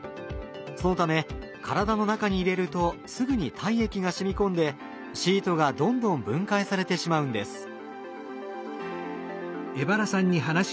そのため体の中に入れるとすぐに体液がしみこんでシートがどんどん分解されてしまうんです。